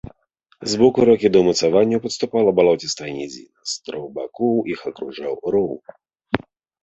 З боку ракі да ўмацаванняў падступала балоцістая нізіна, з трох бакоў іх акружаў роў.